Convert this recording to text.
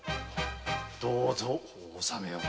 どうぞお納めを。